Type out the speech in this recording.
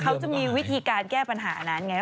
เขาจะมีวิธีการแก้ปัญหานั้นไง